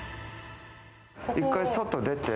１回、外出て。